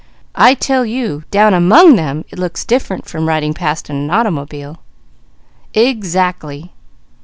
"I tell you down among them it looks different from riding past in an automobile." "Exactly!"